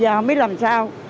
giờ không biết làm sao